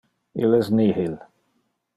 Il es nihil